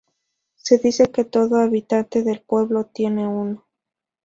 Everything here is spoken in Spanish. Se dice que todo habitante del pueblo tiene uno.